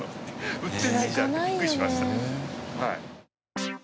「売ってないじゃん！」ってビックリしましたはい。